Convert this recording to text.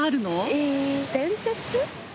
え伝説。